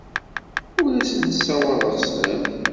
Ur asent-ssawaḍeɣ sslam.